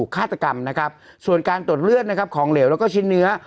ฆาตกรรมนะครับส่วนการตรวจเลือดนะครับของเหลวแล้วก็ชิ้นเนื้อ